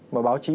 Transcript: mà báo chí